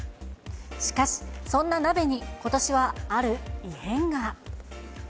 しかし、そんな鍋にことしはある異変が。